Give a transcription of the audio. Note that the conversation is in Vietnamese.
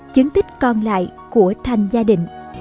chứng tích còn lại của thanh gia đình